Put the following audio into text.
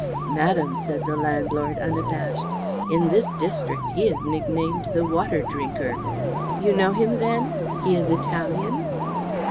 "Madam," said the landlord, unabashed, "in this district he is nicknamed the water drinker." "You know him, then? He is Italian?"